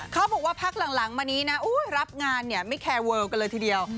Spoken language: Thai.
เขาบอกว่าพักหลังมานี้นะรับงานเนี่ยไม่แคร์เวิลกันเลยทีเดียว